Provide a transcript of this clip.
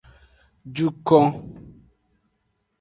Jukon.